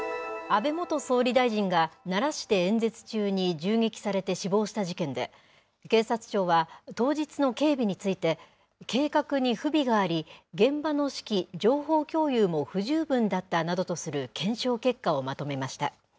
安倍元総理大臣が奈良市で演説中に銃撃されて死亡した事件で、警察庁は、当日の警備について、計画に不備があり、現場の指揮、情報共有も不十分だったなどとする検証結果をまとめました。